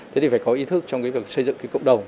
thế thì phải có ý thức trong việc xây dựng cộng đồng